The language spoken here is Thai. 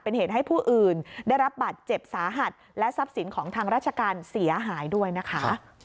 เป็นเหตุให้ผู้อื่นได้รับบัตรเจ็บสาหัสและทรัพย์สินของทางราชการเสียหายด้วยนะคะ